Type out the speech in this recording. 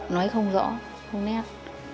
nói không rõ không nét